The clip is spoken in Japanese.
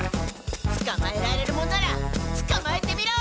つかまえられるもんならつかまえてみろ！